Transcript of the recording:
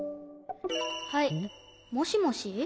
はいもしもし？